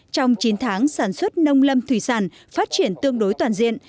trong chín tháng sản xuất nông lâm thủy sản phát triển tương đối toàn diện